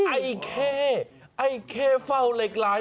ไอเคไอเคเฝ้าเหล็กไหล